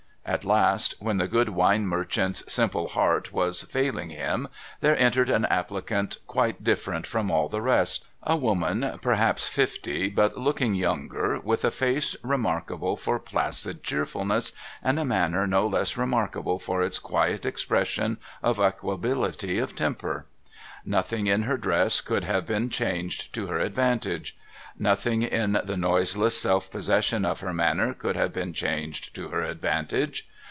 At last, when the good wine merchant's simple heart was failing him, there entered an applicant quite different from all the rest. A woman, perhaps fifty, but looking younger, with a face remarkable for placid cheerfulness, and a manner no less remarkable for its quiet expression of equability of temper. Nothing in her dress could have been changed to her advantage. Nothing in the noise less self possession of her manner could have been changed to her advantage.